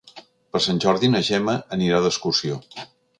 Per Sant Jordi na Gemma anirà d'excursió.